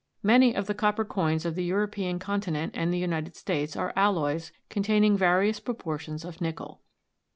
Many of the copper coins of the European continent and the United States are alloys containing various proportions of nickel.